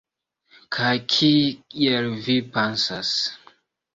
Kaj kiel vi pensas?